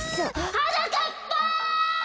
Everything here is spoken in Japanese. ・はなかっぱ！